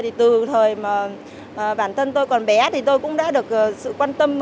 thì từ thời mà bản thân tôi còn bé thì tôi cũng đã được sự quan tâm